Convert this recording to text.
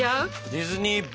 ディズニー話。